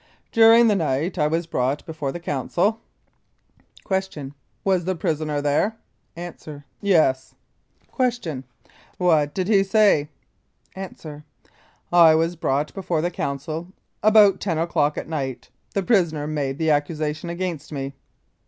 During that night I was brought before the Council. Q. Was the prisoner there? A. Yes. Q. What did he say? A. I was brought before the Council about 10 o'clock at night. The prisoner made the accusation against me.